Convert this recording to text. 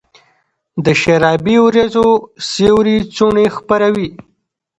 د شرابې اوریځو سیوري څوڼي خپروي